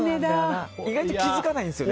意外と気づかないんですよね。